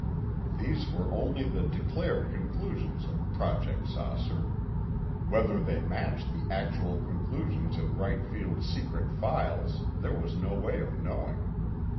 These were only the declared conclusions of Project "Saucer." Whether they matched the actual conclusions in Wright Field secret files there was no way of knowing.